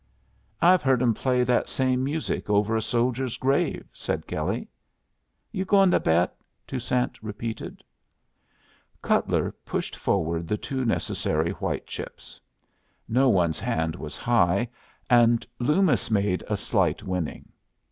"I've heard 'em play that same music over a soldier's grave," said Kelley. "You goin' to bet?" Toussaint repeated. Cutler pushed forward the two necessary white chips. No one's hand was high, and Loomis made a slight winning.